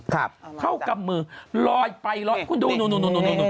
ครับเข้ากำมือลอยไปคุณดูนู่น